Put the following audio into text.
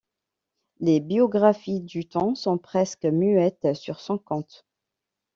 Les biographies du temps sont presque muettes sur son compte.